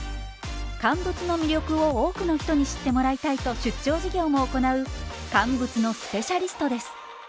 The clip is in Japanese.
乾物の魅力を多くの人に知ってもらいたいと出張授業も行う乾物のスペシャリストです。